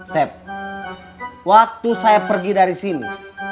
sep waktu saya pergi dari sini